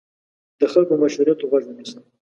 د خلکو مشورې ته غوږ ونیسئ.